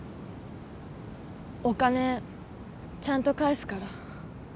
お金ちゃんと返すから。